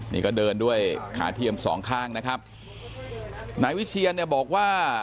นี่ก็เดินด้วยขาเทียมสองข้างนะครับนายวิเชียนเนี่ยบอกว่า